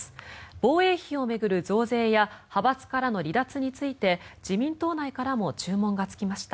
防衛費を巡る増税や派閥からの離脱について自民党内からも注文がつきました。